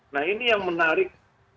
nah ini yang menarik